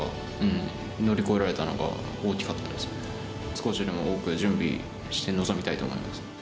少しでも多く準備して臨みたいと思います。